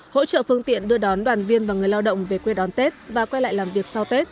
hỗ trợ phương tiện đưa đón đoàn viên và người lao động về quê đón tết và quay lại làm việc sau tết